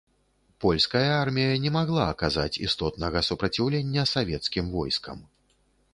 Польская армія не магла аказаць істотнага супраціўлення савецкім войскам.